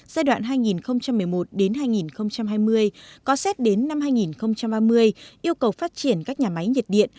giai đoạn hai nghìn một mươi một hai nghìn hai mươi có xét đến năm hai nghìn ba mươi yêu cầu phát triển các nhà máy nhiệt điện